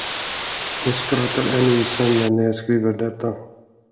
Hon skrattar ännu i sömnen när jag skriver detta.